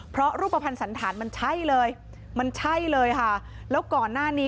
เพราะรูปภัณฑ์สันตามันใช่เลยแล้วก่อนหน้านี้